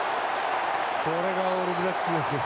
これがオールブラックスですよ。